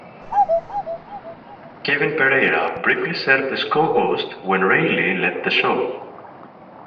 Kevin Pereira briefly served as co-host when Reilly left the show.